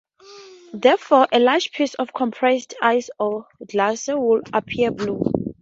Therefore, a large piece of compressed ice, or a glacier, would appear blue.